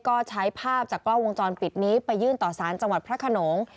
ก็ใช้ภาพจากกล้องวงจรปิดนี้ไปยื่นต่อสารจังหวัดพระขนง